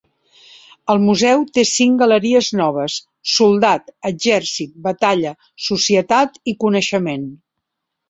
El museu té cinc galeries noves: soldat, exèrcit, batalla, societat i coneixement.